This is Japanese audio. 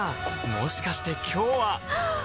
もしかして今日ははっ！